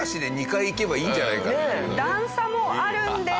段差もあるんです。